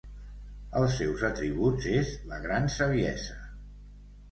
Els seus atributs és la Gran Saviesa.